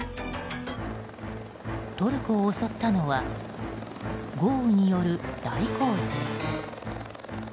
トルコを襲ったのは豪雨による大洪水。